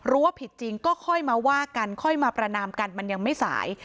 ว่าผิดจริงก็ค่อยมาว่ากันค่อยมาประนามกันมันยังไม่สาย